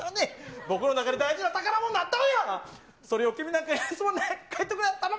僕の中で大事な宝物になってるのや、それを君なんかに、帰ってくれ、頼む。